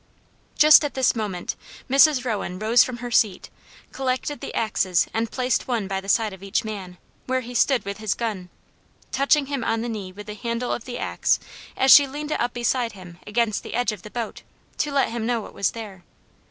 Just at this moment Mrs. Rowan rose from her seat, collected the axes and placed one by the side of each man, where he stood with his gun, touching him on the knee with the handle of the axe as she leaned it up beside him against the edge of the boat, to let him know it was there.